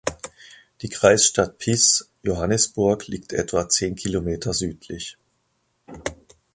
Die Kreisstadt Pisz "(Johannisburg)" liegt etwa zehn Kilometer südlich.